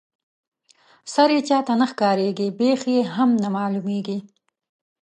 سر یې چاته نه ښکاريږي بېخ یې هم نه معلومیږي.